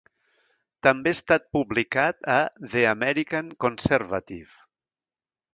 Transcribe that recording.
També ha estat publicat a "The American Conservative".